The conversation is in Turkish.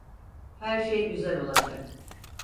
Her şey güzel olacak.